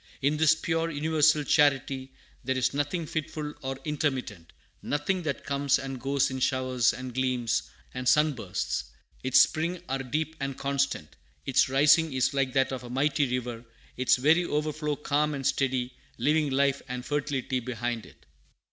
In this pure, universal charity there is nothing fitful or intermittent, nothing that comes and goes in showers and gleams and sunbursts. Its springs are deep and constant, its rising is like that of a mighty river, its very overflow calm and steady, leaving life and fertility behind it.'"